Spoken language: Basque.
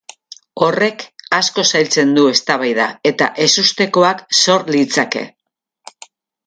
Horrek asko zailtzen du eztabaida, eta ezustekoak sor litzake.